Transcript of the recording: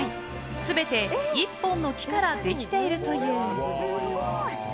全て１本の木からできているという。